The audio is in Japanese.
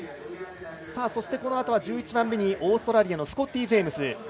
そして、このあとは１１番目にオーストラリアのスコッティ・ジェームズ。